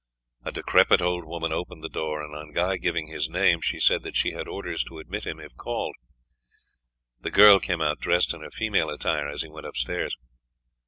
A decrepit old woman opened the door, and on Guy giving his name she said that she had orders to admit him if he called. The girl came out dressed in her female attire as he went upstairs.